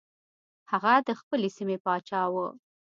هغه د خپلې سیمې پاچا و.